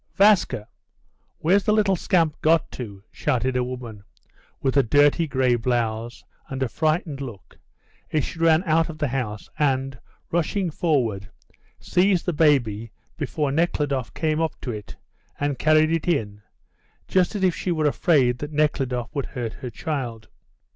"Vaska! Where's the little scamp got to?" shouted a woman, with a dirty grey blouse, and a frightened look, as she ran out of the house, and, rushing forward, seized the baby before Nekhludoff came up to it, and carried it in, just as if she were afraid that Nekhludoff would hurt her child.